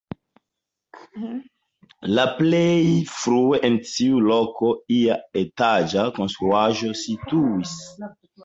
La plej frue en tiu loko ia etaĝa konstruaĵo situis.